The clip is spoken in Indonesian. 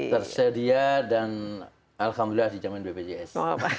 tersedia dan alhamdulillah di jaman bpjs